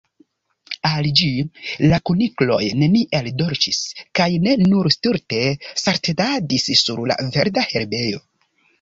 Al ĝi, la kunikloj neniel dolĉis, kaj nur stulte saltetadis sur la verda herbejo.